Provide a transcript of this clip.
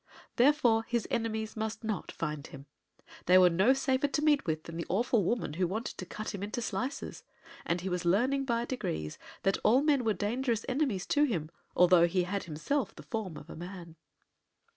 Therefore his enemies must not find him. They were no safer to meet with than the awful woman who wanted to cut him into slices; and he was learning, by degrees, that all men were dangerous enemies to him, although he had himself the form of a man.